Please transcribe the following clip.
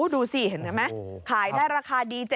เราทิตย์ที่จะขาย๗๐๐๐๘๐๐๐บาทเราทิตย์นะ